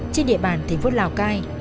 trên địa bàn thành phố lào cai